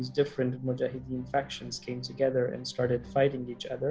semua faktor mujahidin bergabung dan mulai berjuang